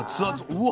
うわ！